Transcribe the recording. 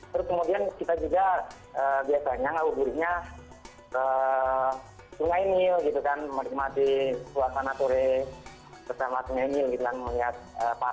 terus kemudian kita juga biasanya ngabuburitnya tungai nil gitu kan menikmati suasana ture bersama tungai nil gitu kan